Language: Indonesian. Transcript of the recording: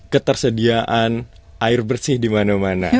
ketersediaan air bersih dimana mana